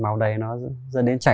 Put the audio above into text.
máu đầy nó dẫn đến chảy